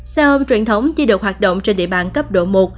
xe ôm truyền thống chỉ được hoạt động trên địa bàn cấp độ một